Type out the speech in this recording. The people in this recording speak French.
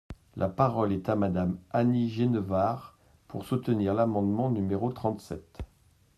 La parole est à Madame Annie Genevard, pour soutenir l’amendement numéro trente-sept.